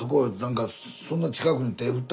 そんな近くに手振って。